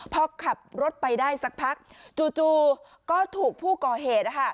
พอขับรถไปได้สักพักจู่ก็ถูกผู้ก่อเหตุ